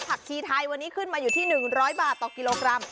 ชีไทยวันนี้ขึ้นมาอยู่ที่๑๐๐บาทต่อกิโลกรัม